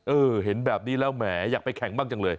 เห็นแบบนี้แล้วแหมอยากไปแข่งบ้างจังเลย